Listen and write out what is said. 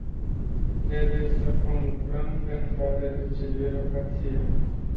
Trebuie să conlucrăm pentru a reduce birocrația.